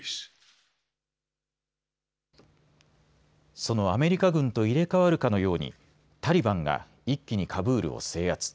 そのアメリカ軍と入れ代わるかのようにタリバンが一気にカブールを制圧。